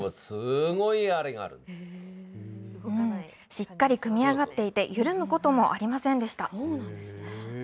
しっかり組み上がっていて、緩むこともありませんでした。